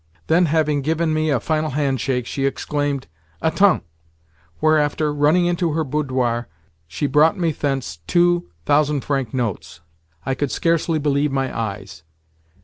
Then, having given me a final handshake, she exclaimed, "Attends!"; whereafter, running into her boudoir, she brought me thence two thousand franc notes. I could scarcely believe my eyes!